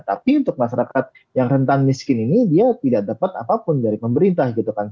tapi untuk masyarakat yang rentan miskin ini dia tidak dapat apapun dari pemerintah gitu kan